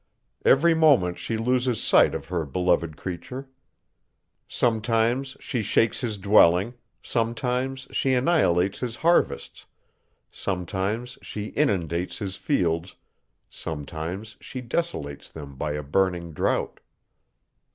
Every moment she loses sight of her beloved creature. Sometimes she shakes his dwelling, sometimes she annihilates his harvests, sometimes she inundates his fields, sometimes she desolates them by a burning drought.